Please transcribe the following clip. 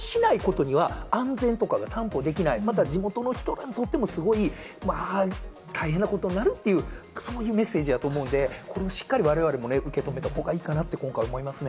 ただ、これをしないことには安全とかが担保できない、地元の人にとってもすごい大変なことになるという、そういうメッセージやと思うんで、これをしっかり我々も受け止めてと思いますね。